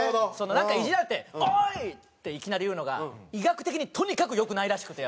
なんかイジられて「おい！」っていきなり言うのが医学的にとにかく良くないらしくてやっぱ。